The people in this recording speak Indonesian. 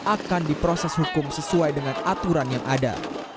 akan diproses hukum sesuai dengan aturan yang ada